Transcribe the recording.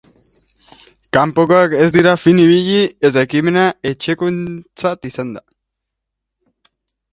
Kanpokoak ez dira fin ibili, eta ekimena etxekoena izan da.